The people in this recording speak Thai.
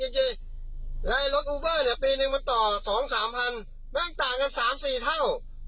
แล้วไอรถอูเบอร์เนี่ยปีหนึ่งมันต่อสองสามพันเรื่องต่างกันสามสี่เท่า